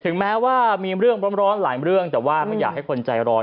แม้ว่ามีเรื่องร้อนหลายเรื่องแต่ว่าไม่อยากให้คนใจร้อน